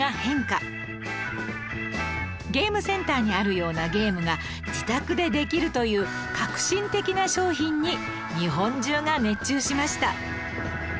ゲームセンターにあるようなゲームが自宅でできるという革新的な商品に日本中が熱中しました